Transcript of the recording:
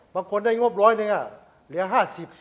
บางคนได้งบร้อยหนึ่งอ่ะเหลือ๕๐บาท